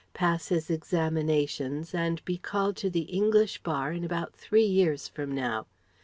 pass his examinations, and be called to the English Bar in about three years from now.